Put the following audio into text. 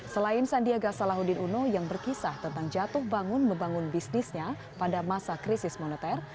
selain sandiaga salahuddin uno yang berkisah tentang jatuh bangun membangun bisnisnya pada masa krisis moneter